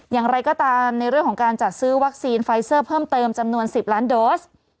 อย่างไรก็ตามในเรื่องของการจัดซื้อวัคซีนไฟเซอร์เพิ่มเติมจำนวน๑๐ล้านโดส